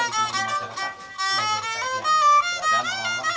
pertama penguat lagu dari jemaah betawi jaludjani ingat jantan